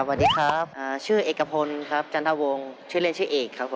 สวัสดีครับชื่อเอกพลครับจันทวงชื่อเล่นชื่อเอกครับผม